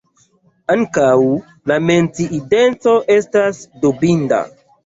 Ankaŭ, la menciindeco estas dubinda.